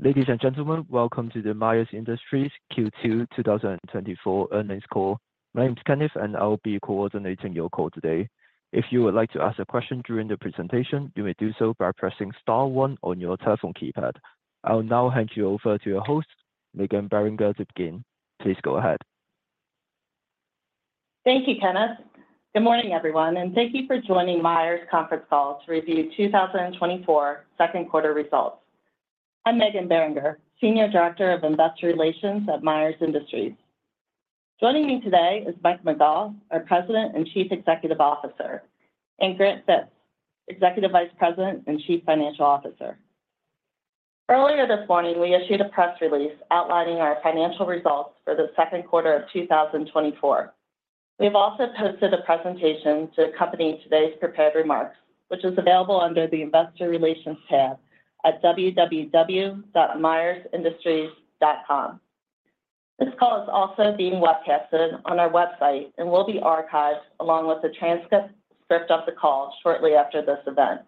Ladies and gentlemen, welcome to the Myers Industries Q2 2024 earnings call. My name's Kenneth, and I'll be coordinating your call today. If you would like to ask a question during the presentation, you may do so by pressing star one on your telephone keypad. I'll now hand you over to your host, Megan Beringer, to begin. Please go ahead. Thank you, Kenneth. Good morning, everyone, and thank you for joining Myers' conference call to review 2024 second quarter results. I'm Megan Beringer, Senior Director of Investor Relations at Myers Industries. Joining me today is Mike McGaugh, our President and Chief Executive Officer, and Grant Fitz, Executive Vice President and Chief Financial Officer. Earlier this morning, we issued a press release outlining our financial results for the second quarter of 2024. We have also posted a presentation to accompany today's prepared remarks, which is available under the Investor Relations tab at www.myersindustries.com. This call is also being webcasted on our website and will be archived along with the transcript of the call shortly after this event.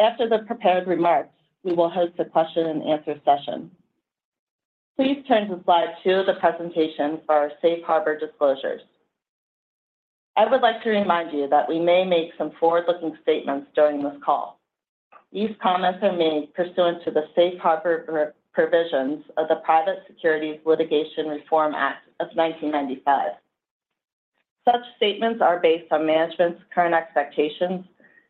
After the prepared remarks, we will host a question-and-answer session. Please turn to Slide 2 of the presentation for our safe harbor disclosures. I would like to remind you that we may make some forward-looking statements during this call. These comments are made pursuant to the Safe Harbor provisions of the Private Securities Litigation Reform Act of 1995. Such statements are based on management's current expectations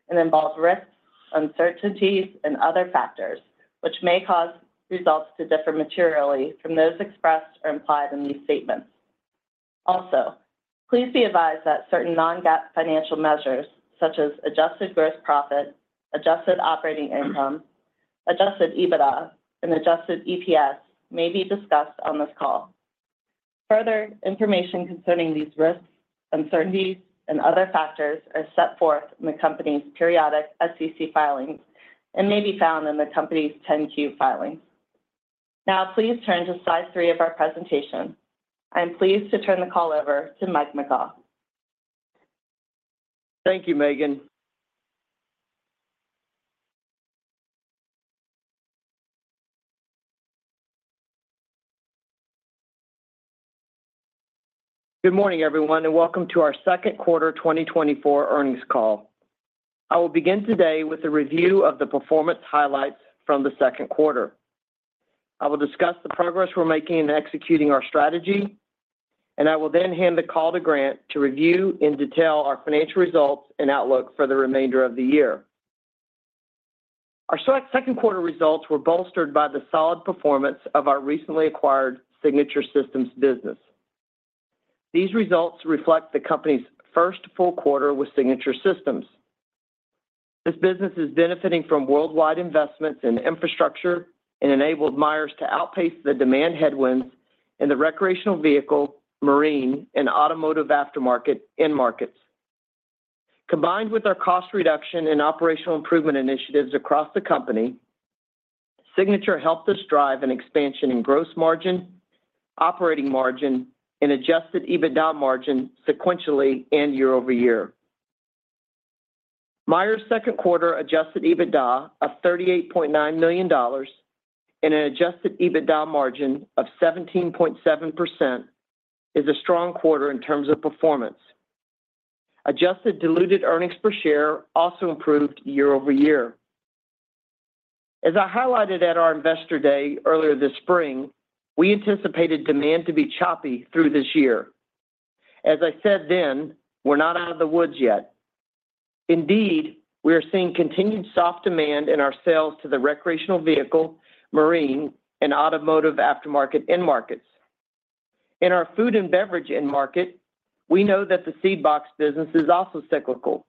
and involve risks, uncertainties, and other factors, which may cause results to differ materially from those expressed or implied in these statements. Also, please be advised that certain non-GAAP financial measures, such as adjusted gross profit, adjusted operating income, adjusted EBITDA, and adjusted EPS, may be discussed on this call. Further information concerning these risks, uncertainties, and other factors are set forth in the company's periodic SEC filings and may be found in the company's Form 10-Q filings. Now, please turn to Slide 3 of our presentation. I'm pleased to turn the call over to Mike McGaugh. Thank you, Meghan. Good morning, everyone, and welcome to our second quarter 2024 earnings call. I will begin today with a review of the performance highlights from the second quarter. I will discuss the progress we're making in executing our strategy, and I will then hand the call to Grant to review in detail our financial results and outlook for the remainder of the year. Our second quarter results were bolstered by the solid performance of our recently acquired Signature Systems business. These results reflect the company's first full quarter with Signature Systems. This business is benefiting from worldwide investments in infrastructure and enabled Myers to outpace the demand headwinds in the recreational vehicle, marine, and Automotive Aftermarket markets. Combined with our cost reduction and operational improvement initiatives across the company, Signature helped us drive an expansion in gross margin, operating margin, and adjusted EBITDA margin sequentially and year-over-year. Myers' second quarter adjusted EBITDA of $38.9 million and an adjusted EBITDA margin of 17.7% is a strong quarter in terms of performance. Adjusted diluted earnings per share also improved year-over-year. As I highlighted at our investor day earlier this spring, we anticipated demand to be choppy through this year. As I said then, we're not out of the woods yet. Indeed, we are seeing continued soft demand in our sales to the recreational vehicle, marine, and Automotive Aftermarket markets. In our food and beverage end market, we know that the seed box business is also cyclical.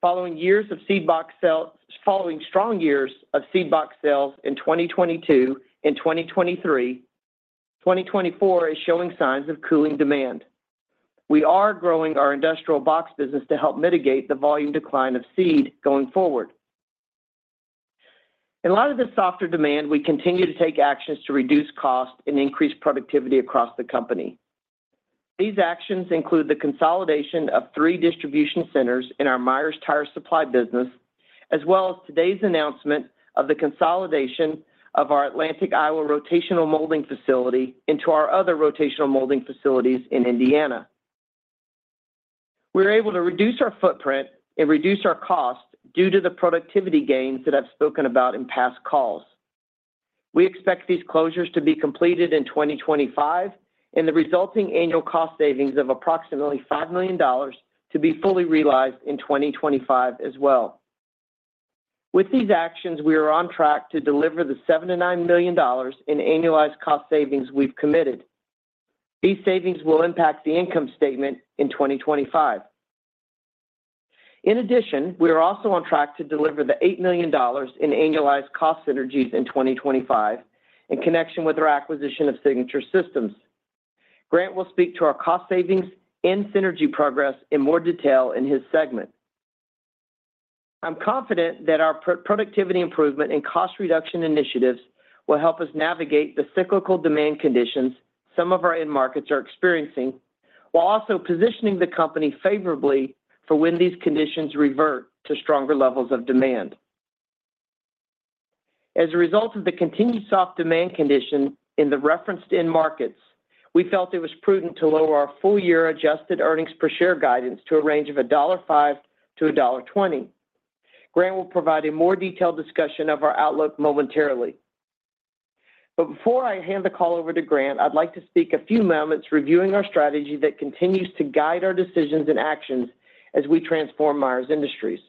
Following years of seed box sales, following strong years of seed box sales in 2022 and 2023, 2024 is showing signs of cooling demand. We are growing our industrial box business to help mitigate the volume decline of seed going forward. In light of this softer demand, we continue to take actions to reduce costs and increase productivity across the company. These actions include the consolidation of three distribution centers in our Myers Tire Supply business, as well as today's announcement of the consolidation of our Atlantic, Iowa rotational molding facility into our other rotational molding facilities in Indiana. We are able to reduce our footprint and reduce our costs due to the productivity gains that I've spoken about in past calls. We expect these closures to be completed in 2025, and the resulting annual cost savings of approximately $5 million to be fully realized in 2025 as well. With these actions, we are on track to deliver the $79 million in annualized cost savings we've committed. These savings will impact the income statement in 2025. In addition, we are also on track to deliver the $8 million in annualized cost synergies in 2025 in connection with our acquisition of Signature Systems. Grant will speak to our cost savings and synergy progress in more detail in his segment. I'm confident that our productivity improvement and cost reduction initiatives will help us navigate the cyclical demand conditions some of our end markets are experiencing, while also positioning the company favorably for when these conditions revert to stronger levels of demand. As a result of the continued soft demand condition in the referenced end markets, we felt it was prudent to lower our full-year Adjusted Earnings Per Share guidance to a range of $1.05-$1.20. Grant will provide a more detailed discussion of our outlook momentarily. Before I hand the call over to Grant, I'd like to speak a few moments reviewing our strategy that continues to guide our decisions and actions as we transform Myers Industries.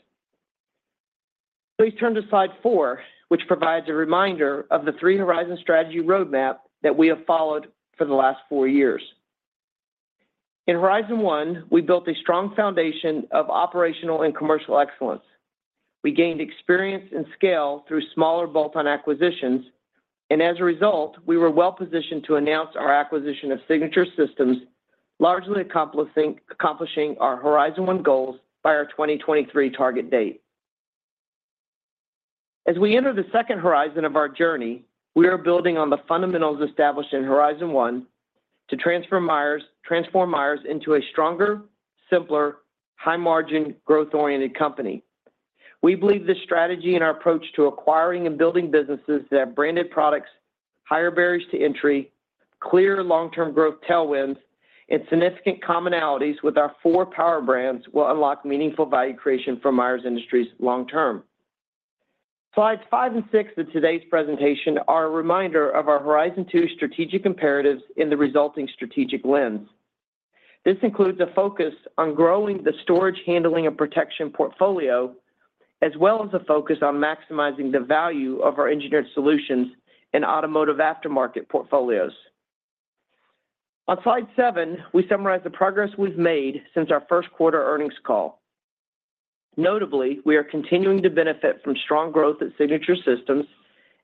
Please turn to Slide 4, which provides a reminder of the three horizon strategy roadmap that we have followed for the last four years. In Horizon 1, we built a strong foundation of operational and commercial excellence. We gained experience and scale through smaller bolt-on acquisitions, and as a result, we were well positioned to announce our acquisition of Signature Systems, largely accomplishing our Horizon 1 goals by our 2023 target date. As we enter the second horizon of our journey, we are building on the fundamentals established in Horizon 1 to transform Myers into a stronger, simpler, high-margin, growth-oriented company. We believe this strategy and our approach to acquiring and building businesses that have branded products, higher barriers to entry, clear long-term growth tailwinds, and significant commonalities with our four power brands will unlock meaningful value creation for Myers Industries long-term. Slides 5 and 6 of today's presentation are a reminder of our Horizon 2 strategic imperatives in the resulting strategic lens. This includes a focus on growing the Storage, Handling, and Protection portfolio, as well as a focus on maximizing the value of our Engineered Solutions and Automotive Aftermarket portfolios. On Slide 7, we summarize the progress we've made since our first quarter earnings call. Notably, we are continuing to benefit from strong growth at Signature Systems.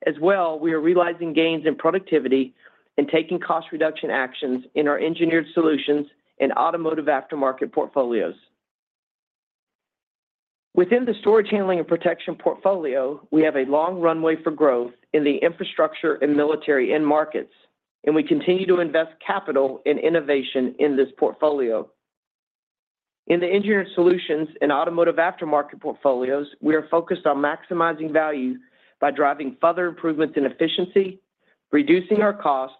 As well, we are realizing gains in productivity and taking cost reduction actions in our Engineered Solutions and Automotive Aftermarket portfolios. Within the Storage, Handling, and Protection portfolio, we have a long runway for growth in the infrastructure and military end markets, and we continue to invest capital and innovation in this portfolio. In the Engineered Solutions and Automotive Aftermarket portfolios, we are focused on maximizing value by driving further improvements in efficiency, reducing our cost,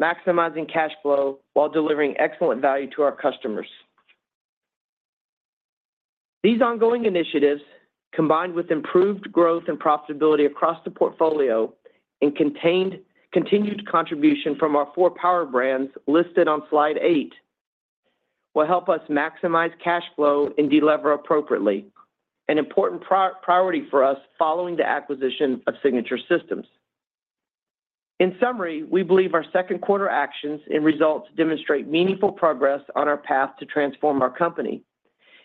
maximizing cash flow, while delivering excellent value to our customers. These ongoing initiatives, combined with improved growth and profitability across the portfolio and continued contribution from our four power brands listed on Slide 8, will help us maximize cash flow and deliver appropriately, an important priority for us following the acquisition of Signature Systems. In summary, we believe our second quarter actions and results demonstrate meaningful progress on our path to transform our company,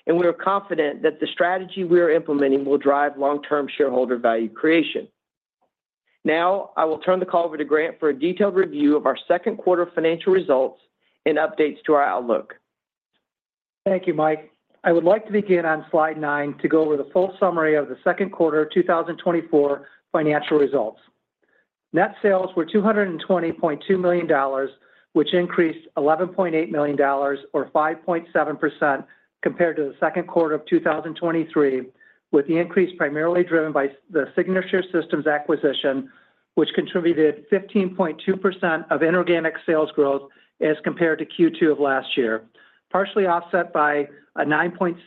and we are confident that the strategy we are implementing will drive long-term shareholder value creation. Now, I will turn the call over to Grant for a detailed review of our second quarter financial results and updates to our outlook. Thank you, Mike. I would like to begin on Slide 9 to go over the full summary of the second quarter 2024 financial results. Net sales were $220.2 million, which increased $11.8 million, or 5.7%, compared to the second quarter of 2023, with the increase primarily driven by the Signature Systems acquisition, which contributed 15.2% of inorganic sales growth as compared to Q2 of last year, partially offset by a 9.6%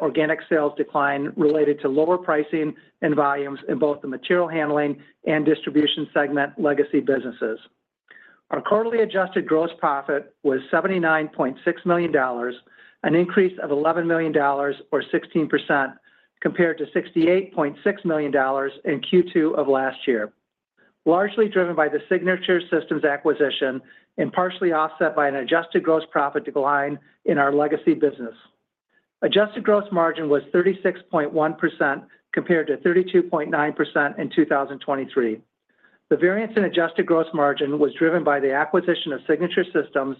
organic sales decline related to lower pricing and volumes in both the Material Handling and distribution segment legacy businesses. Our quarterly adjusted gross profit was $79.6 million, an increase of $11 million, or 16%, compared to $68.6 million in Q2 of last year, largely driven by the Signature Systems acquisition and partially offset by an adjusted gross profit decline in our legacy business. Adjusted gross margin was 36.1% compared to 32.9% in 2023. The variance in adjusted gross margin was driven by the acquisition of Signature Systems,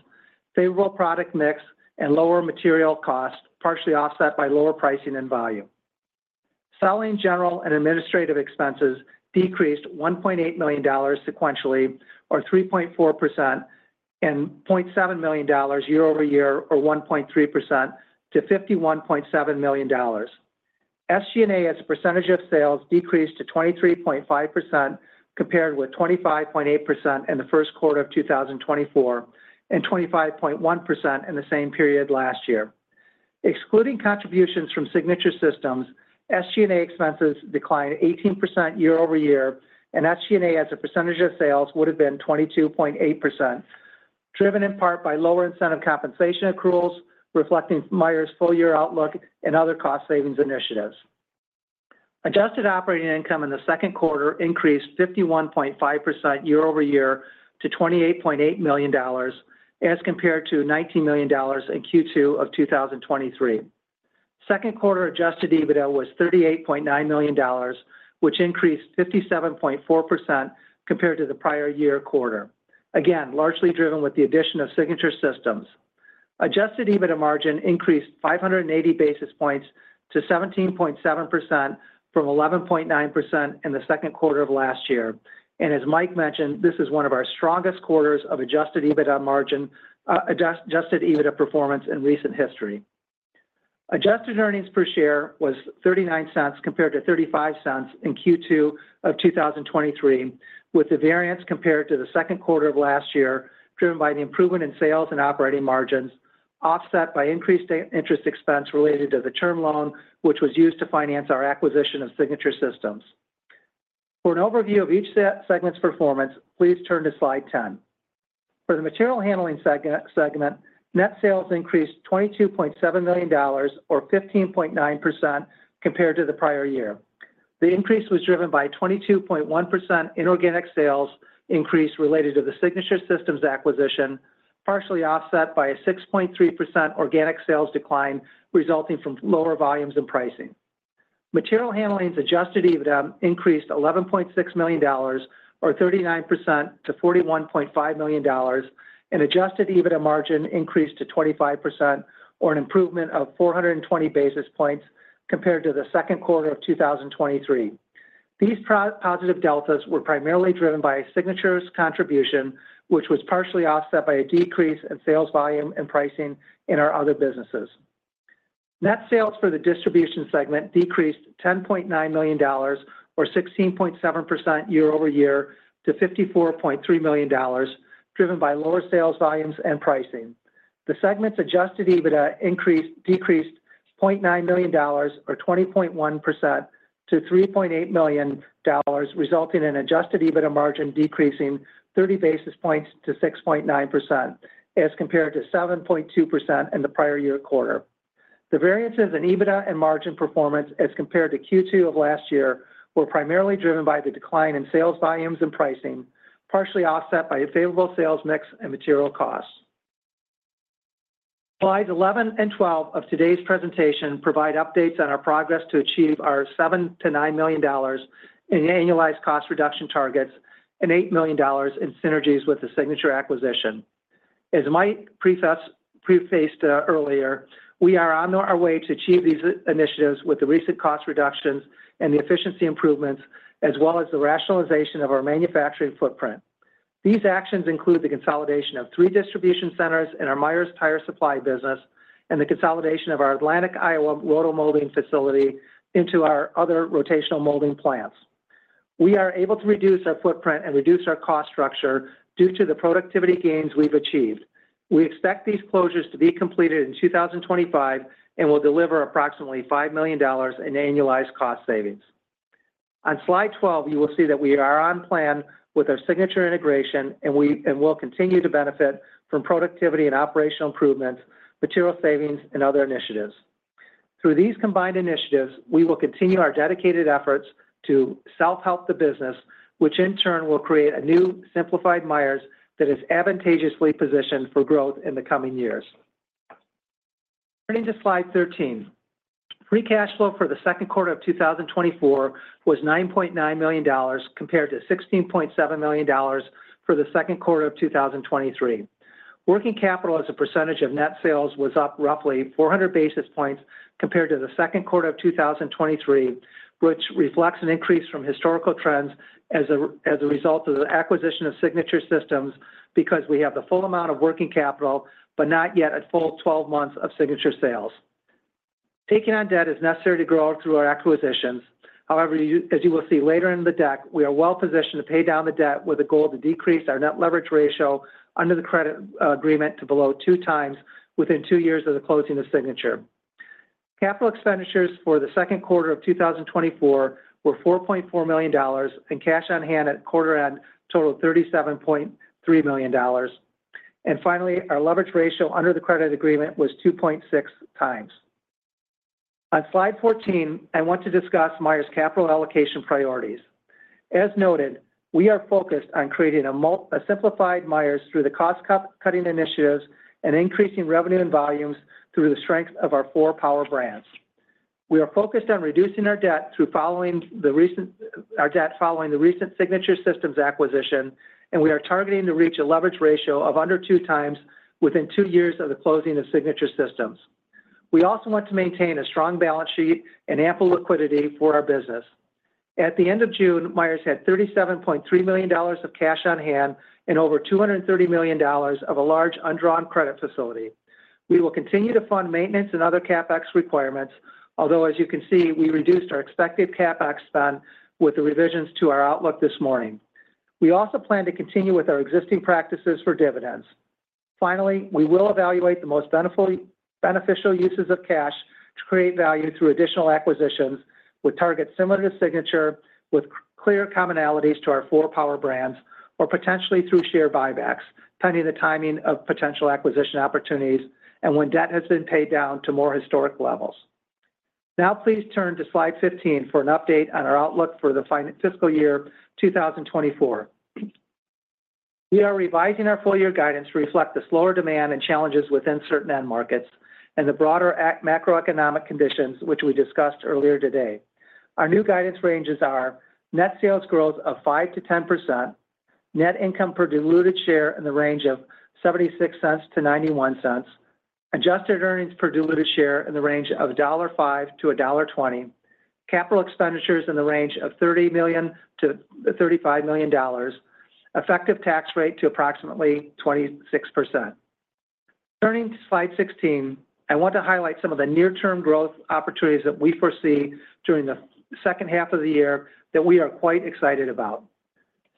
favorable product mix, and lower material cost, partially offset by lower pricing and volume. Selling general and administrative expenses decreased $1.8 million sequentially, or 3.4%, and $0.7 million year-over-year, or 1.3%, to $51.7 million. SG&A's percentage of sales decreased to 23.5% compared with 25.8% in the first quarter of 2024 and 25.1% in the same period last year. Excluding contributions from Signature Systems, SG&A expenses declined 18% year-over-year, and SG&A's percentage of sales would have been 22.8%, driven in part by lower incentive compensation accruals reflecting Myers' full-year outlook and other cost savings initiatives. Adjusted operating income in the second quarter increased 51.5% year-over-year to $28.8 million as compared to $19 million in Q2 of 2023. Second quarter adjusted EBITDA was $38.9 million, which increased 57.4% compared to the prior year quarter, again, largely driven with the addition of Signature Systems. Adjusted EBITDA margin increased 580 basis points to 17.7% from 11.9% in the second quarter of last year. As Mike mentioned, this is one of our strongest quarters of adjusted EBITDA performance in recent history. Adjusted earnings per share was $0.39 compared to $0.35 in Q2 of 2023, with the variance compared to the second quarter of last year driven by the improvement in sales and operating margins, offset by increased interest expense related to the term loan, which was used to finance our acquisition of Signature Systems. For an overview of each segment's performance, please turn to Slide 10. For the Material Handling segment, net sales increased $22.7 million, or 15.9%, compared to the prior year. The increase was driven by a 22.1% inorganic sales increase related to the Signature Systems acquisition, partially offset by a 6.3% organic sales decline resulting from lower volumes and pricing. Material Handling's adjusted EBITDA increased $11.6 million, or 39%, to $41.5 million, and adjusted EBITDA margin increased to 25%, or an improvement of 420 basis points compared to the second quarter of 2023. These positive deltas were primarily driven by Signature's contribution, which was partially offset by a decrease in sales volume and pricing in our other businesses. Net sales for the distribution segment decreased $10.9 million, or 16.7% year-over-year, to $54.3 million, driven by lower sales volumes and pricing. The segment's adjusted EBITDA decreased $0.9 million, or 20.1%, to $3.8 million, resulting in adjusted EBITDA margin decreasing 30 basis points to 6.9% as compared to 7.2% in the prior year quarter. The variances in EBITDA and margin performance as compared to Q2 of last year were primarily driven by the decline in sales volumes and pricing, partially offset by a favorable sales mix and material costs. Slides 11 and 12 of today's presentation provide updates on our progress to achieve our $7 million to $9 million in annualized cost reduction targets and $8 million in synergies with the Signature acquisition. As Mike prefaced earlier, we are on our way to achieve these initiatives with the recent cost reductions and the efficiency improvements, as well as the rationalization of our manufacturing footprint. These actions include the consolidation of three distribution centers in our Myers Tire Supply business and the consolidation of our Atlantic, Iowa rotomolding facility into our other rotational molding plants. We are able to reduce our footprint and reduce our cost structure due to the productivity gains we've achieved. We expect these closures to be completed in 2025 and will deliver approximately $5 million in annualized cost savings. On Slide 12, you will see that we are on plan with our Signature integration and will continue to benefit from productivity and operational improvements, material savings, and other initiatives. Through these combined initiatives, we will continue our dedicated efforts to self-help the business, which in turn will create a new simplified Myers that is advantageously positioned for growth in the coming years. Turning to Slide 13, free cash flow for the second quarter of 2024 was $9.9 million compared to $16.7 million for the second quarter of 2023. Working capital as a percentage of net sales was up roughly 400 basis points compared to the second quarter of 2023, which reflects an increase from historical trends as a result of the acquisition of Signature Systems because we have the full amount of working capital, but not yet a full 12 months of Signature sales. Taking on debt is necessary to grow through our acquisitions. However, as you will see later in the deck, we are well positioned to pay down the debt with a goal to decrease our net leverage ratio under the credit agreement to below two times within two years of the closing of Signature. Capital expenditures for the second quarter of 2024 were $4.4 million and cash on hand at quarter end totaled $37.3 million. Finally, our leverage ratio under the credit agreement was 2.6 times. On Slide 14, I want to discuss Myers' capital allocation priorities. As noted, we are focused on creating a simplified Myers through the cost-cutting initiatives and increasing revenue and volumes through the strength of our four power brands. We are focused on reducing our debt following the recent Signature Systems acquisition, and we are targeting to reach a leverage ratio of under two times within two years of the closing of Signature Systems. We also want to maintain a strong balance sheet and ample liquidity for our business. At the end of June, Myers had $37.3 million of cash on hand and over $230 million of a large undrawn credit facility. We will continue to fund maintenance and other CapEx requirements, although, as you can see, we reduced our expected CapEx spend with the revisions to our outlook this morning. We also plan to continue with our existing practices for dividends. Finally, we will evaluate the most beneficial uses of cash to create value through additional acquisitions with targets similar to Signature, with clear commonalities to our four power brands, or potentially through share buybacks, pending the timing of potential acquisition opportunities and when debt has been paid down to more historic levels. Now, please turn to Slide 15 for an update on our outlook for the fiscal year 2024. We are revising our full-year guidance to reflect the slower demand and challenges within certain end markets and the broader macroeconomic conditions, which we discussed earlier today. Our new guidance ranges are net sales growth of 5% to 10%, net income per diluted share in the range of $0.76-$0.91, adjusted earnings per diluted share in the range of $1.05-$1.20, capital expenditures in the range of $30 million-$35 million, effective tax rate to approximately 26%. Turning to Slide 16, I want to highlight some of the near-term growth opportunities that we foresee during the second half of the year that we are quite excited about.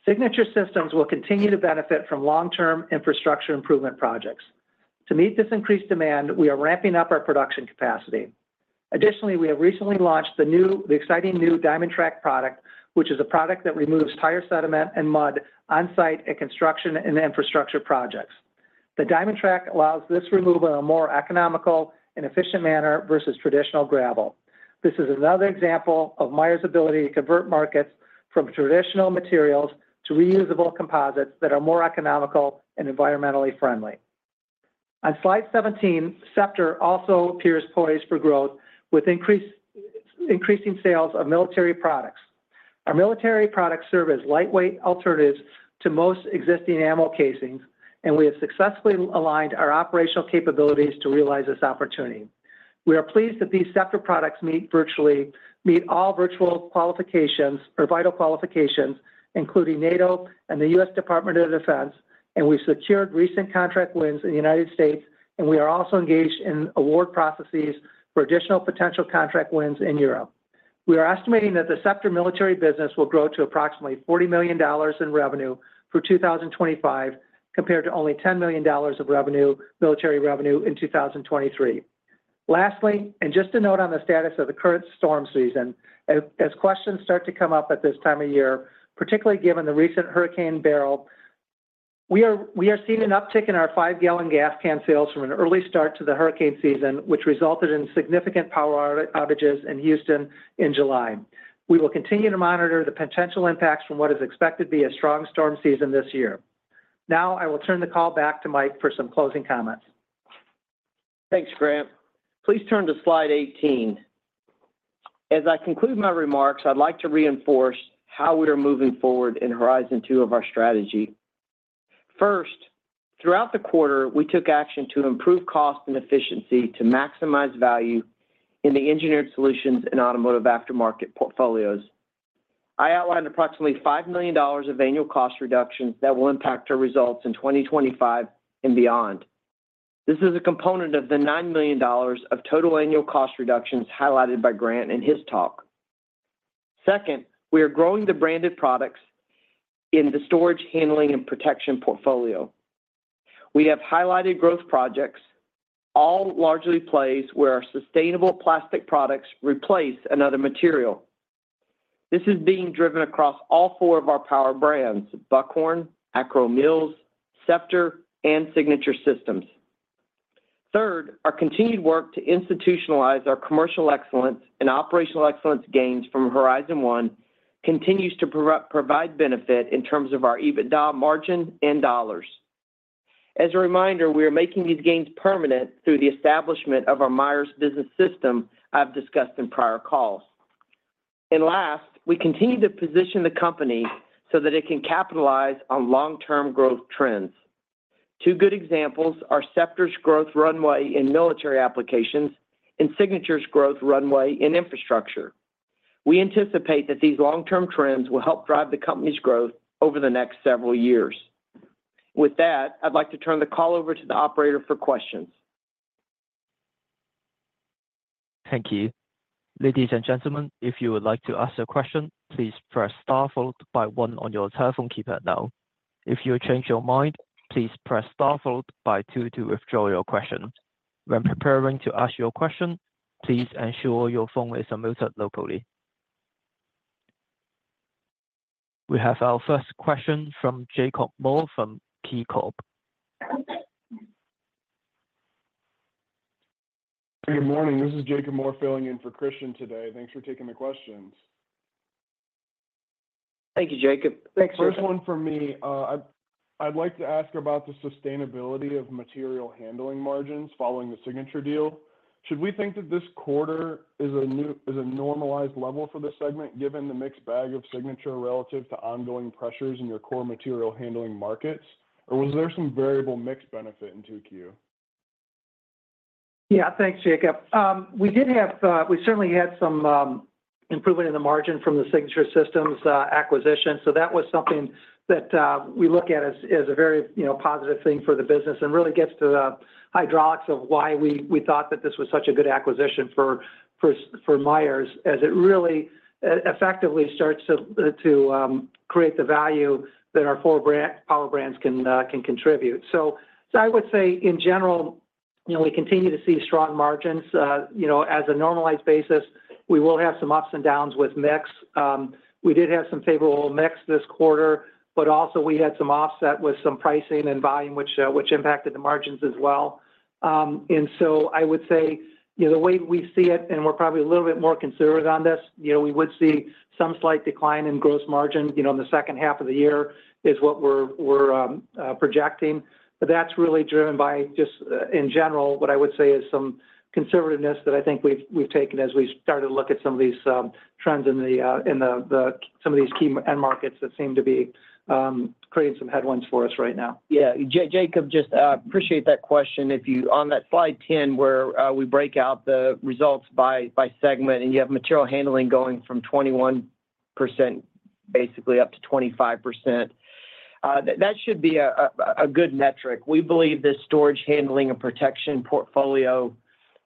Signature Systems will continue to benefit from long-term infrastructure improvement projects. To meet this increased demand, we are ramping up our production capacity. Additionally, we have recently launched the exciting new DiamondTrack product, which is a product that removes tire sediment and mud on-site at construction and infrastructure projects. The DiamondTrack allows this removal in a more economical and efficient manner versus traditional gravel. This is another example of Myers' ability to convert markets from traditional materials to reusable composites that are more economical and environmentally friendly. On Slide 17, Scepter also appears poised for growth with increasing sales of military products. Our military products serve as lightweight alternatives to most existing ammo casings, and we have successfully aligned our operational capabilities to realize this opportunity. We are pleased that these Scepter products meet virtually all vital qualifications, including NATO and the U.S. Department of Defense, and we've secured recent contract wins in the United States, and we are also engaged in award processes for additional potential contract wins in Europe. We are estimating that the Scepter military business will grow to approximately $40 million in revenue for 2025 compared to only $10 million of military revenue in 2023. Lastly, and just a note on the status of the current storm season, as questions start to come up at this time of year, particularly given the recent Hurricane Beryl, we are seeing an uptick in our five-gallon gas can sales from an early start to the hurricane season, which resulted in significant power outages in Houston in July. We will continue to monitor the potential impacts from what is expected to be a strong storm season this year. Now, I will turn the call back to Mike for some closing comments. Thanks, Grant. Please turn to Slide 18. As I conclude my remarks, I'd like to reinforce how we are moving forward in Horizon 2 of our strategy. First, throughout the quarter, we took action to improve cost and efficiency to maximize value in the Engineered Solutions and Automotive Aftermarket portfolios. I outlined approximately $5 million of annual cost reductions that will impact our results in 2025 and beyond. This is a component of the $9 million of total annual cost reductions highlighted by Grant in his talk. Second, we are growing the branded products in the Storage, Handling, and Protection portfolio. We have highlighted growth projects, all largely plays where our sustainable plastic products replace another material. This is being driven across all four of our power brands: Buckhorn, Akro-Mils, Scepter, and Signature Systems. Third, our continued work to institutionalize our commercial excellence and operational excellence gains from Horizon 1 continues to provide benefit in terms of our EBITDA margin and dollars. As a reminder, we are making these gains permanent through the establishment of our Myers Business System I've discussed in prior calls. And last, we continue to position the company so that it can capitalize on long-term growth trends. Two good examples are Scepter's growth runway in military applications and Signature's growth runway in infrastructure. We anticipate that these long-term trends will help drive the company's growth over the next several years. With that, I'd like to turn the call over to the operator for questions. Thank you. Ladies and gentlemen, if you would like to ask a question, please press star followed by one on your telephone keypad now. If you change your mind, please press star followed by two to withdraw your question. When preparing to ask your question, please ensure your phone is unmuted locally. We have our first question from Jacob Moore from KeyCorp. Good morning. This is Jacob Moore filling in for Christian today. Thanks for taking the questions. Thank you, Jacob. Thanks, Richard. First one for me. I'd like to ask about the sustainability of Material Handling margins following the Signature deal. Should we think that this quarter is a normalized level for the segment given the mixed bag of Signature relative to ongoing pressures in your core Material Handling markets, or was there some variable mix benefit in 2Q? Yeah, thanks, Jacob. We certainly had some improvement in the margin from the Signature Systems acquisition, so that was something that we look at as a very positive thing for the business and really gets to the hydraulics of why we thought that this was such a good acquisition for Myers, as it really effectively starts to create the value that our four power brands can contribute. So I would say, in general, we continue to see strong margins. As a normalized basis, we will have some ups and downs with mix. We did have some favorable mix this quarter, but also we had some offset with some pricing and volume, which impacted the margins as well. And so I would say the way we see it, and we're probably a little bit more conservative on this, we would see some slight decline in gross margin in the second half of the year is what we're projecting. But that's really driven by just, in general, what I would say is some conservativeness that I think we've taken as we started to look at some of these trends in some of these key end markets that seem to be creating some headwinds for us right now. Yeah. Jacob, just appreciate that question. On that Slide 10, where we break out the results by segment, and you have Material Handling going from 21% basically up to 25%. That should be a good metric. We believe this storage handling and protection portfolio,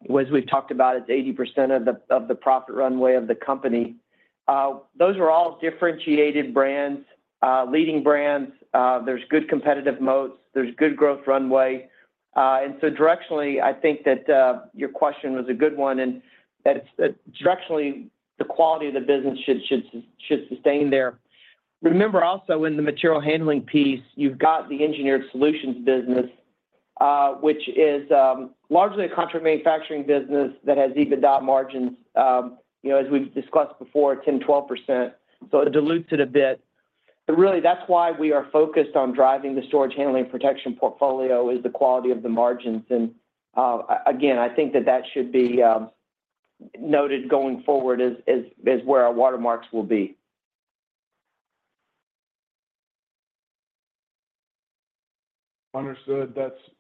as we've talked about, is 80% of the profit runway of the company. Those are all differentiated brands, leading brands. There's good competitive moats. There's good growth runway. And so directionally, I think that your question was a good one. And directionally, the quality of the business should sustain there. Remember also in the Material Handling piece, you've got the Engineered Solutions business, which is largely a contract manufacturing business that has EBITDA margins, as we've discussed before, 10%, 12%. So it dilutes it a bit. But really, that's why we are focused on driving the storage handling protection portfolio, is the quality of the margins. And again, I think that that should be noted going forward as where our watermarks will be. Understood.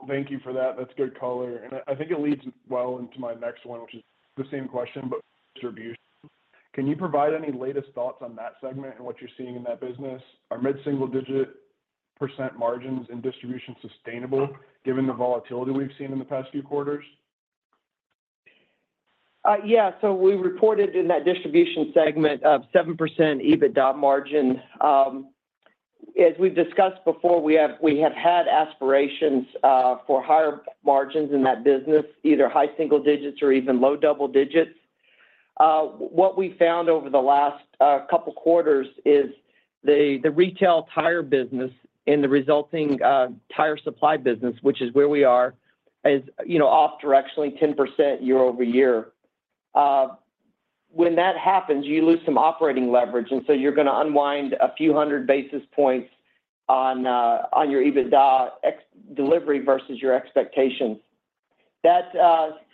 Thank you for that. That's good color. And I think it leads well into my next one, which is the same question, but distribution. Can you provide any latest thoughts on that segment and what you're seeing in that business? Are mid-single digit percent margins and distribution sustainable given the volatility we've seen in the past few quarters? Yeah. So we reported in that distribution segment of 7% EBITDA margin. As we've discussed before, we have had aspirations for higher margins in that business, either high single digits or even low double digits. What we found over the last couple of quarters is the retail tire business and the resulting tire supply business, which is where we are, is off directionally 10% year-over-year. When that happens, you lose some operating leverage, and so you're going to unwind a few hundred basis points on your EBITDA delivery versus your expectations. That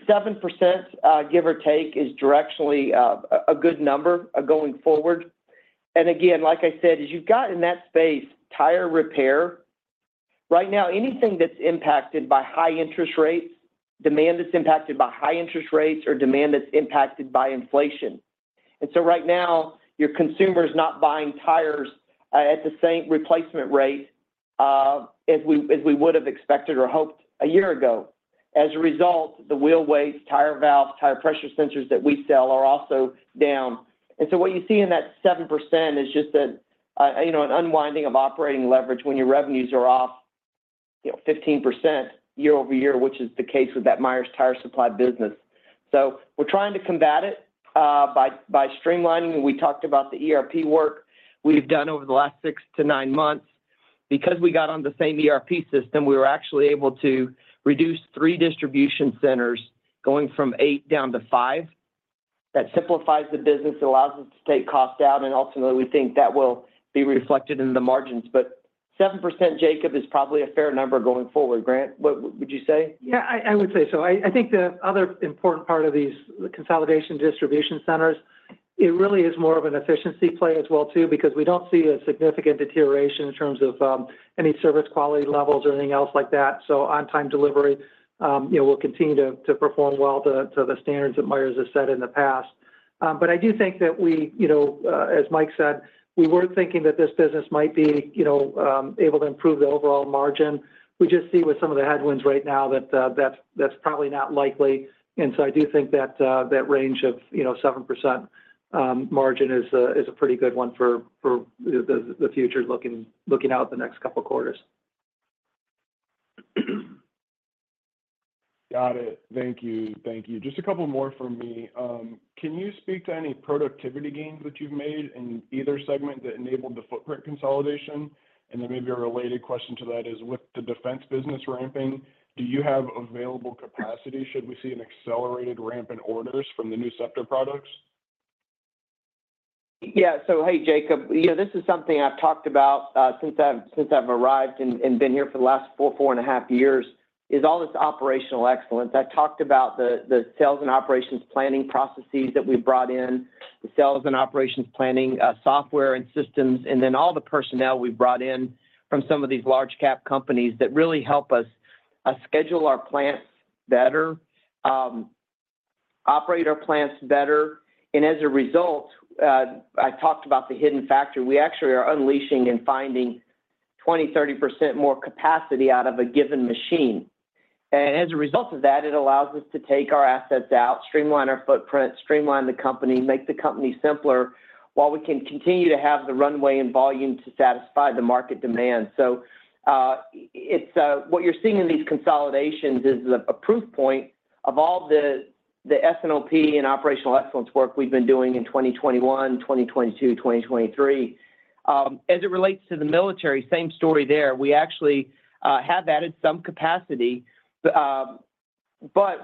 7%, give or take, is directionally a good number going forward. And again, like I said, as you've got in that space, tire repair. Right now, anything that's impacted by high interest rates, demand that's impacted by high interest rates, or demand that's impacted by inflation. And so right now, your consumer is not buying tires at the same replacement rate as we would have expected or hoped a year ago. As a result, the wheel weights, tire valves, tire pressure sensors that we sell are also down. And so what you see in that 7% is just an unwinding of operating leverage when your revenues are off 15% year-over-year, which is the case with that Myers Tire Supply business. So we're trying to combat it by streamlining. We talked about the ERP work we've done over the last six to nine months. Because we got on the same ERP system, we were actually able to reduce three distribution centers going from eight down to five. That simplifies the business, allows us to take cost out, and ultimately, we think that will be reflected in the margins. But 7%, Jacob, is probably a fair number going forward. Grant, what would you say? Yeah, I would say so. I think the other important part of these consolidation distribution centers, it really is more of an efficiency play as well, too, because we don't see a significant deterioration in terms of any service quality levels or anything else like that. So on-time delivery will continue to perform well to the standards that Myers has set in the past. But I do think that, as Mike said, we were thinking that this business might be able to improve the overall margin. We just see with some of the headwinds right now that that's probably not likely. And so I do think that that range of 7% margin is a pretty good one for the future looking out the next couple of quarters. Got it. Thank you. Thank you. Just a couple more from me. Can you speak to any productivity gains that you've made in either segment that enabled the footprint consolidation? And then maybe a related question to that is, with the defense business ramping, do you have available capacity should we see an accelerated ramp in orders from the new Scepter products? Yeah. So hey, Jacob, this is something I've talked about since I've arrived and been here for the last four, 4.5 years, is all this operational excellence. I've talked about the sales and operations planning processes that we've brought in, the sales and operations planning software and systems, and then all the personnel we've brought in from some of these large-cap companies that really help us schedule our plants better, operate our plants better. And as a result, I talked about the hidden factor. We actually are unleashing and finding 20%, 30% more capacity out of a given machine. And as a result of that, it allows us to take our assets out, streamline our footprint, streamline the company, make the company simpler while we can continue to have the runway and volume to satisfy the market demand. So what you're seeing in these consolidations is a proof point of all the S&OP and operational excellence work we've been doing in 2021, 2022, 2023. As it relates to the military, same story there. We actually have added some capacity, but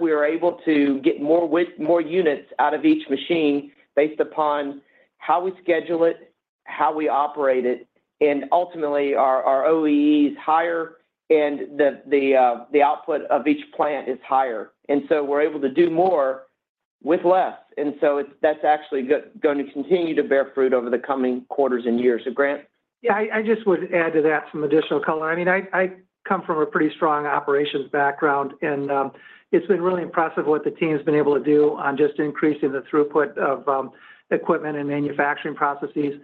we are able to get more units out of each machine based upon how we schedule it, how we operate it. And ultimately, our OEE is higher, and the output of each plant is higher. And so we're able to do more with less. And so that's actually going to continue to bear fruit over the coming quarters and years. So Grant? Yeah. I just would add to that some additional color. I mean, I come from a pretty strong operations background, and it's been really impressive what the team has been able to do on just increasing the throughput of equipment and manufacturing processes.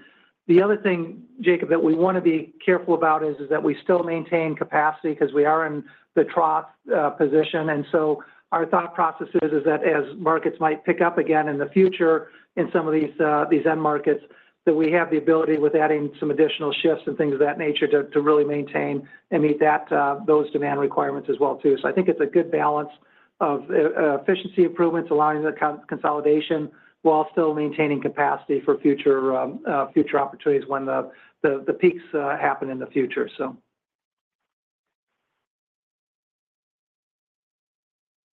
The other thing, Jacob, that we want to be careful about is that we still maintain capacity because we are in the trough position. And so our thought process is that as markets might pick up again in the future in some of these end markets, that we have the ability with adding some additional shifts and things of that nature to really maintain and meet those demand requirements as well, too. So I think it's a good balance of efficiency improvements, allowing the consolidation while still maintaining capacity for future opportunities when the peaks happen in the future,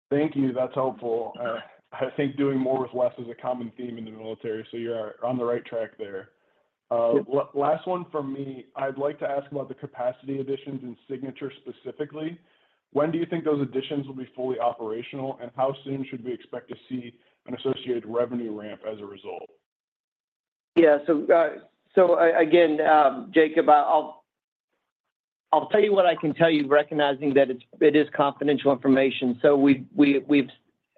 so. Thank you. That's helpful. I think doing more with less is a common theme in the military, so you're on the right track there. Last one from me. I'd like to ask about the capacity additions in Signature specifically. When do you think those additions will be fully operational, and how soon should we expect to see an associated revenue ramp as a result? Yeah. So again, Jacob, I'll tell you what I can tell you, recognizing that it is confidential information. So we've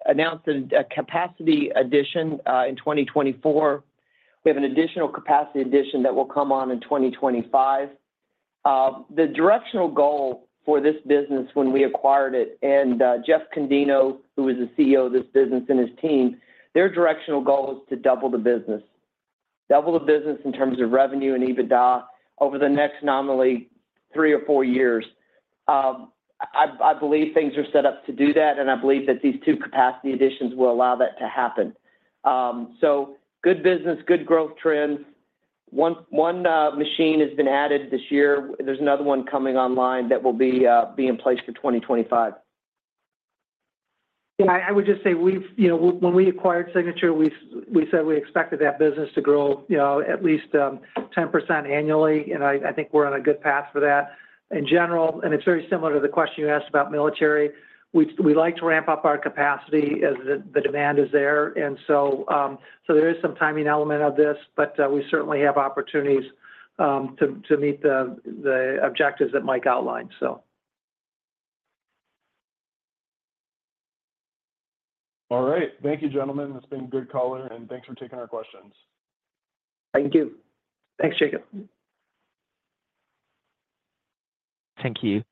announced a capacity addition in 2024. We have an additional capacity addition that will come on in 2025. The directional goal for this business when we acquired it, and Jeff Condino, who is the CEO of this business and his team, their directional goal is to double the business. Double the business in terms of revenue and EBITDA over the next nominal three or four years. I believe things are set up to do that, and I believe that these two capacity additions will allow that to happen. So good business, good growth trends. One machine has been added this year. There's another one coming online that will be in place for 2025. Yeah. I would just say when we acquired Signature, we said we expected that business to grow at least 10% annually, and I think we're on a good path for that in general. And it's very similar to the question you asked about military. We like to ramp up our capacity as the demand is there. And so there is some timing element of this, but we certainly have opportunities to meet the objectives that Mike outlined, so. All right. Thank you, gentlemen. That's been good color, and thanks for taking our questions. Thank you. Thanks, Jacob. Thank you.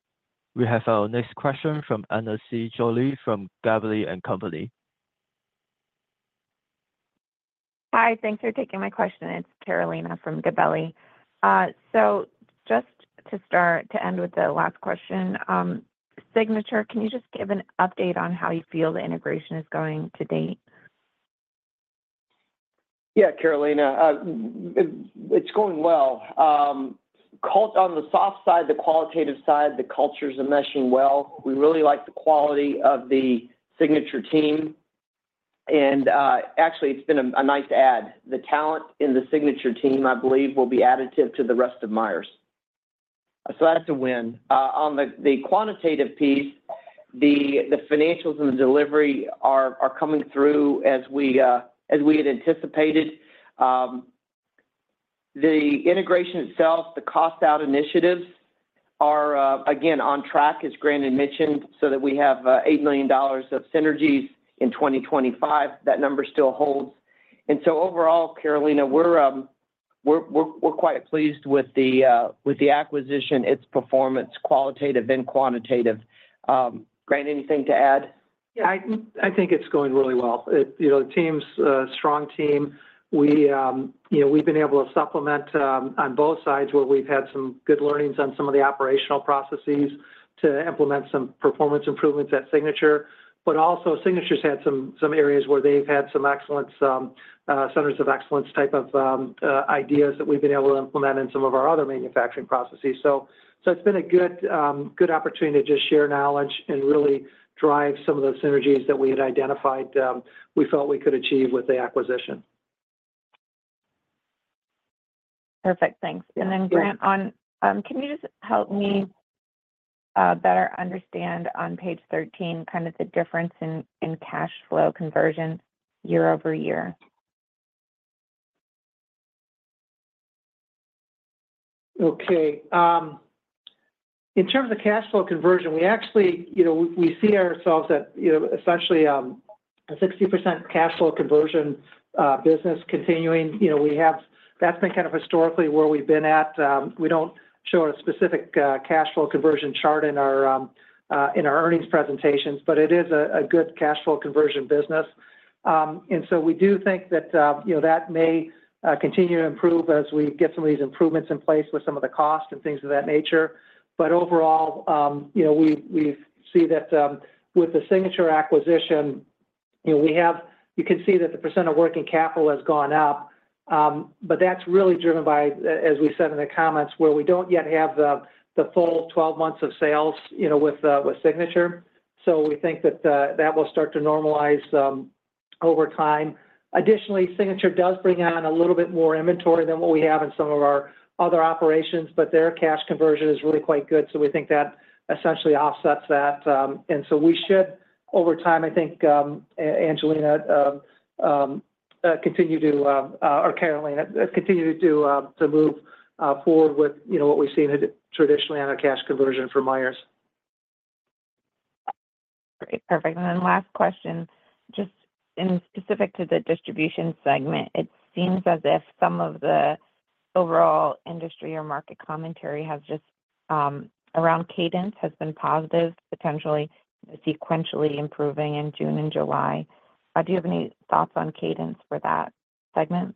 We have our next question from Carolina Jolly from Gabelli & Company. Hi. Thanks for taking my question. It's Carolina from Gabelli. So just to start, to end with the last question, Signature, can you just give an update on how you feel the integration is going to date? Yeah, Carolina. It's going well. On the soft side, the qualitative side, the culture is meshing well. We really like the quality of the Signature team. And actually, it's been a nice add. The talent in the Signature team, I believe, will be additive to the rest of Myers. So that's a win. On the quantitative piece, the financials and the delivery are coming through as we had anticipated. The integration itself, the cost-out initiatives are, again, on track, as Grant had mentioned, so that we have $8 million of synergies in 2025. That number still holds. And so overall, Carolina, we're quite pleased with the acquisition, its performance, qualitative and quantitative. Grant, anything to add? Yeah. I think it's going really well. The team's a strong team. We've been able to supplement on both sides where we've had some good learnings on some of the operational processes to implement some performance improvements at Signature. But also, Signature's had some areas where they've had some excellence, centers of excellence type of ideas that we've been able to implement in some of our other manufacturing processes. So it's been a good opportunity to just share knowledge and really drive some of those synergies that we had identified we felt we could achieve with the acquisition. Perfect. Thanks. And then, Grant, can you just help me better understand on page 13 kind of the difference in cash flow conversion year-over-year? Okay. In terms of cash flow conversion, we actually see ourselves at essentially a 60% cash flow conversion business continuing. That's been kind of historically where we've been at. We don't show a specific cash flow conversion chart in our earnings presentations, but it is a good cash flow conversion business. And so we do think that that may continue to improve as we get some of these improvements in place with some of the cost and things of that nature. But overall, we see that with the Signature acquisition, you can see that the percent of working capital has gone up. But that's really driven by, as we said in the comments, where we don't yet have the full 12 months of sales with Signature. So we think that that will start to normalize over time. Additionally, Signature does bring on a little bit more inventory than what we have in some of our other operations, but their cash conversion is really quite good. So we think that essentially offsets that. And so we should, over time, I think, Angelina, continue to, or Carolina, continue to move forward with what we've seen traditionally on our cash conversion for Myers. Great. Perfect. Then last question, just specific to the distribution segment, it seems as if some of the overall industry or market commentary around cadence has been positive, potentially sequentially improving in June and July. Do you have any thoughts on cadence for that segment?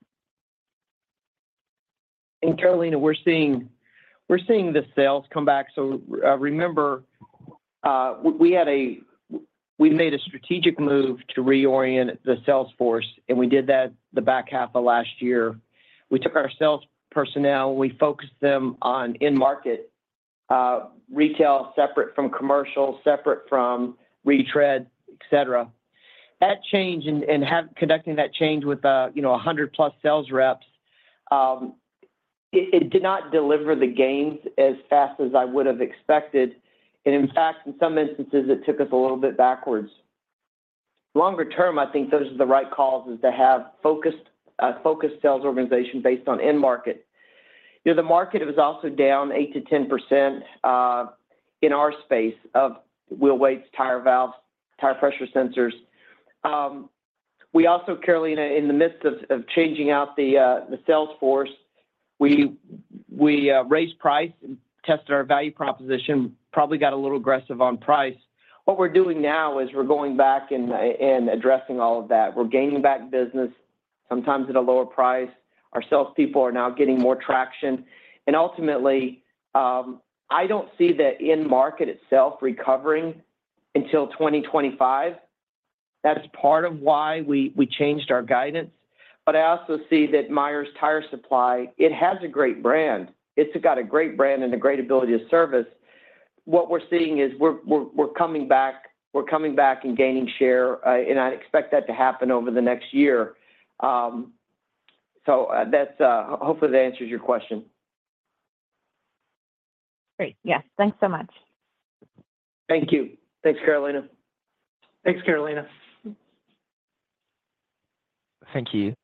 And Carolina, we're seeing the sales come back. So remember, we made a strategic move to reorient the sales force, and we did that the back half of last year. We took our sales personnel, we focused them on in-market, retail separate from commercial, separate from retread, etc. That change and conducting that change with 100+ sales reps, it did not deliver the gains as fast as I would have expected. And in fact, in some instances, it took us a little bit backwards. Longer term, I think those are the right calls is to have a focused sales organization based on in-market. The market was also down 8%-10% in our space of wheel weights, tire valves, tire pressure sensors. We also, Carolina, in the midst of changing out the sales force, we raised price and tested our value proposition, probably got a little aggressive on price. What we're doing now is we're going back and addressing all of that. We're gaining back business, sometimes at a lower price. Our salespeople are now getting more traction. And ultimately, I don't see the in-market itself recovering until 2025. That's part of why we changed our guidance. But I also see that Myers Tire Supply, it has a great brand. It's got a great brand and a great ability to service. What we're seeing is we're coming back and gaining share, and I expect that to happen over the next year. So hopefully that answers your question. Great. Yes. Thanks so much. Thank you. Thanks, Carolina. Thanks, Carolina. Thank you.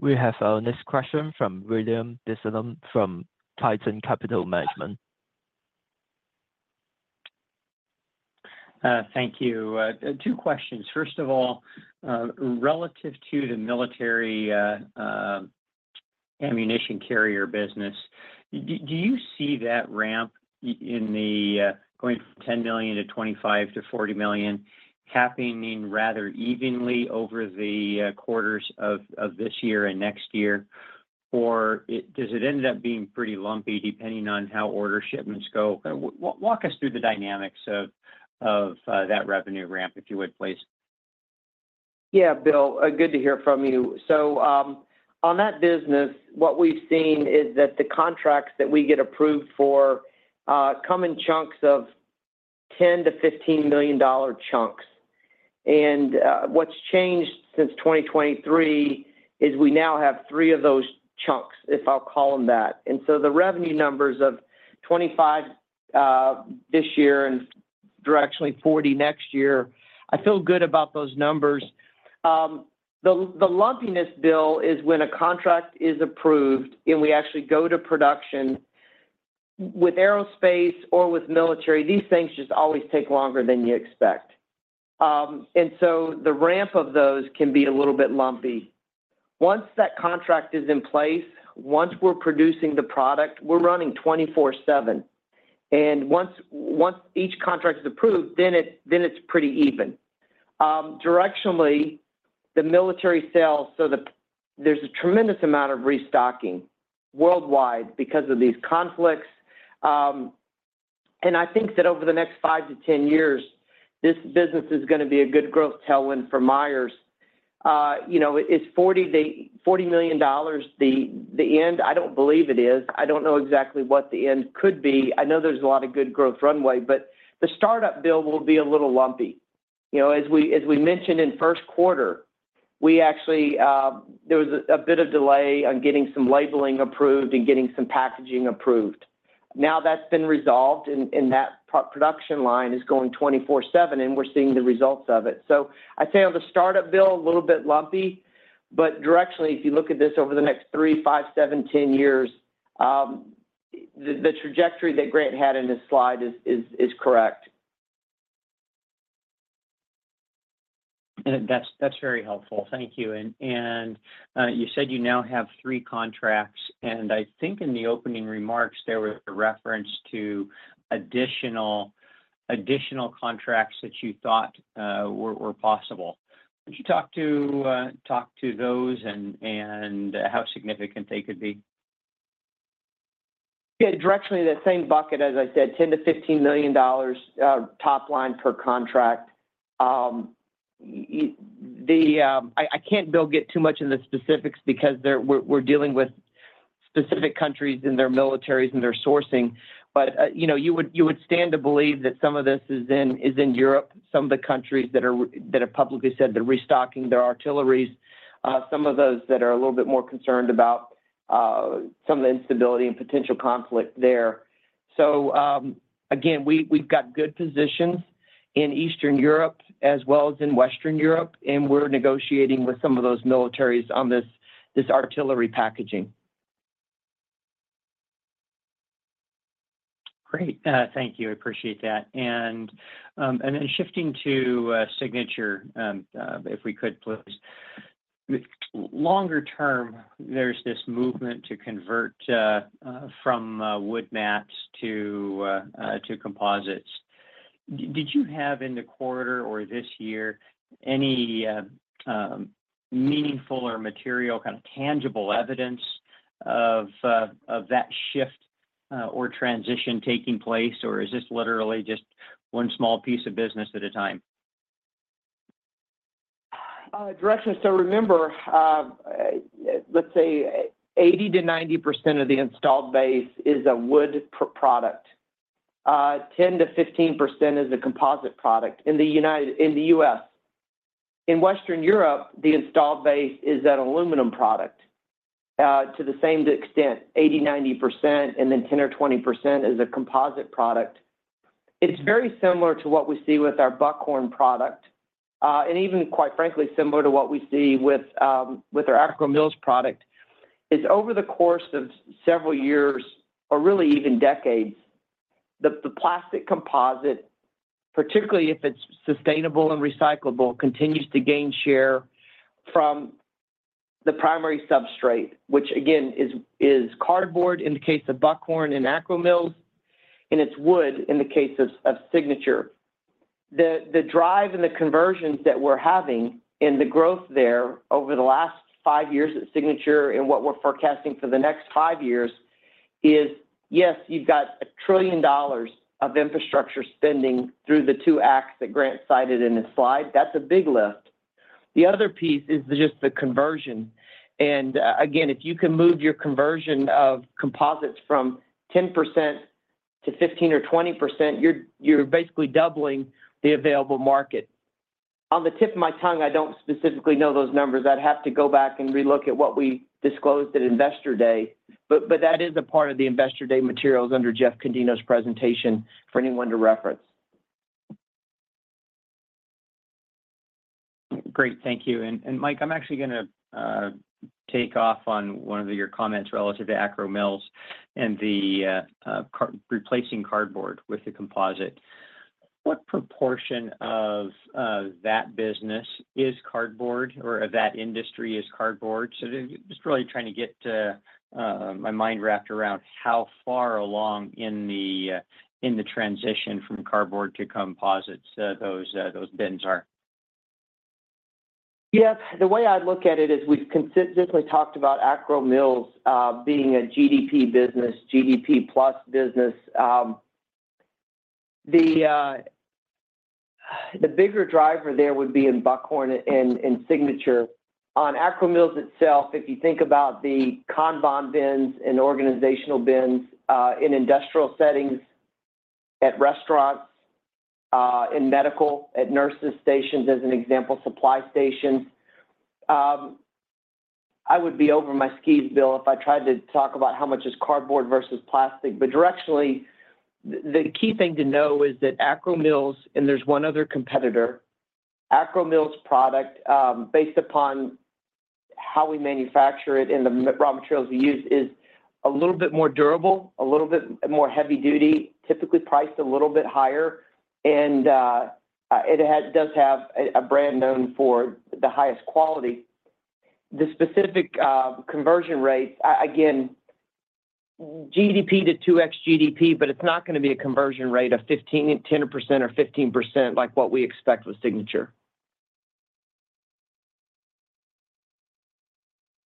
We have our next question from William Dezellem from Tieton Capital Management. Thank you. Two questions. First of all, relative to the military ammunition carrier business, do you see that ramp going from $10 million to $25 million to $40 million happening rather evenly over the quarters of this year and next year, or does it end up being pretty lumpy depending on how order shipments go? Walk us through the dynamics of that revenue ramp, if you would, please. Yeah, Bill. Good to hear from you. So on that business, what we've seen is that the contracts that we get approved for come in chunks of $10 million to $15 million chunks. And what's changed since 2023 is we now have three of those chunks, if I'll call them that. And so the revenue numbers of $25 million this year and actually $40 million next year, I feel good about those numbers. The lumpiness, Bill, is when a contract is approved and we actually go to production with aerospace or with military, these things just always take longer than you expect. And so the ramp of those can be a little bit lumpy. Once that contract is in place, once we're producing the product, we're running 24/7. And once each contract is approved, then it's pretty even. Directionally, the military sales, so there's a tremendous amount of restocking worldwide because of these conflicts. I think that over the next five to -10 years, this business is going to be a good growth tailwind for Myers. Is $40 million the end? I don't believe it is. I don't know exactly what the end could be. I know there's a lot of good growth runway, but the startup, Bill, will be a little lumpy. As we mentioned in first quarter, there was a bit of delay on getting some labeling approved and getting some packaging approved. Now that's been resolved, and that production line is going 24/7, and we're seeing the results of it. So I'd say on the startup, Bill, a little bit lumpy, but directionally, if you look at this over the next 3, 5, 7, 10 years, the trajectory that Grant had in his slide is correct. That's very helpful. Thank you. You said you now have three contracts, and I think in the opening remarks, there was a reference to additional contracts that you thought were possible. Would you talk to those and how significant they could be? Yeah. Directionally, that same bucket, as I said, $10 million to $15 million top line per contract. I can't, Bill, get too much in the specifics because we're dealing with specific countries and their militaries and their sourcing. But you would stand to believe that some of this is in Europe, some of the countries that have publicly said they're restocking their artilleries, some of those that are a little bit more concerned about some of the instability and potential conflict there. So again, we've got good positions in Eastern Europe as well as in Western Europe, and we're negotiating with some of those militaries on this artillery packaging. Great. Thank you. I appreciate that. Then shifting to Signature, if we could, please. Longer term, there's this movement to convert from wood mats to composites. Did you have in the quarter or this year any meaningful or material kind of tangible evidence of that shift or transition taking place, or is this literally just one small piece of business at a time? Directionally, so remember, let's say 80% to 90% of the installed base is a wood product. 10% to 15% is a composite product in the U.S. In Western Europe, the installed base is an aluminum product to the same extent, 80% to 90%, and then 10% or 20% is a composite product. It's very similar to what we see with our Buckhorn product, and even, quite frankly, similar to what we see with our Akro-Mils product. It's over the course of several years or really even decades, the plastic composite, particularly if it's sustainable and recyclable, continues to gain share from the primary substrate, which again is cardboard in the case of Buckhorn and Akro-Mils, and it's wood in the case of Signature. The drive and the conversions that we're having and the growth there over the last five years at Signature and what we're forecasting for the next five years is, yes, you've got $1 trillion of infrastructure spending through the two acts that Grant cited in his slide. That's a big lift. The other piece is just the conversion. And again, if you can move your conversion of composites from 10% to 15% or 20%, you're basically doubling the available market. On the tip of my tongue, I don't specifically know those numbers. I'd have to go back and relook at what we disclosed at Investor Day. But that is a part of the Investor Day materials under Jeff Condino's presentation for anyone to reference. Great. Thank you. And Mike, I'm actually going to take off on one of your comments relative to Akro-Mils and the replacing cardboard with the composite. What proportion of that business is cardboard or of that industry is cardboard? So just really trying to get my mind wrapped around how far along in the transition from cardboard to composites those bins are. Yes. The way I'd look at it is we've consistently talked about Akro-Mils being a GDP business, GDP plus business. The bigger driver there would be in Buckhorn and Signature. On Akro-Mils itself, if you think about the Kanban bins and organizational bins in industrial settings, at restaurants, in medical, at nurses' stations as an example, supply stations, I would be over my skis, Bill, if I tried to talk about how much is cardboard versus plastic. But directionally, the key thing to know is that Akro-Mils, and there's one other competitor, Akro-Mils product, based upon how we manufacture it and the raw materials we use, is a little bit more durable, a little bit more heavy-duty, typically priced a little bit higher, and it does have a brand known for the highest quality. The specific conversion rates, again, GDP to 2x GDP, but it's not going to be a conversion rate of 10% or 15% like what we expect with Signature.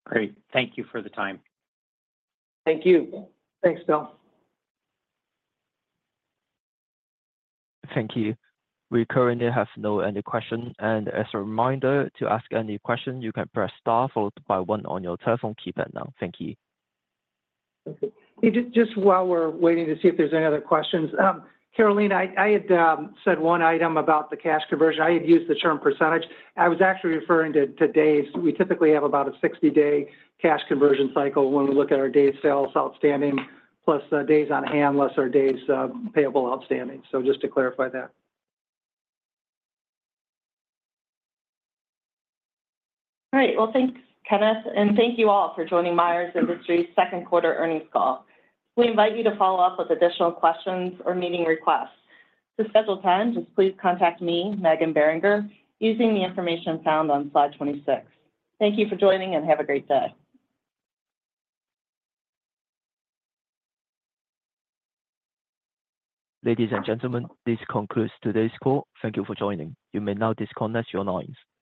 Great. Thank you for the time. Thank you. Thanks, Bill. Thank you. We currently have no other questions. And as a reminder, to ask any question, you can press star followed by one on your telephone keypad now. Thank you. Just while we're waiting to see if there's any other questions, Carolina, I had said one item about the cash conversion. I had used the term percentage. I was actually referring to days. We typically have about a 60-day cash conversion cycle when we look at our day sales outstanding plus days on hand less our days payable outstanding. So just to clarify that. All right. Well, thanks, Kenneth. And thank you all for joining Myers Industries' second quarter earnings call. We invite you to follow up with additional questions or meeting requests. To schedule time, just please contact me, Megan Beringer, using the information found on Slide 26. Thank you for joining and have a great day. Ladies and gentlemen, this concludes today's call. Thank you for joining. You may now disconnect your lines.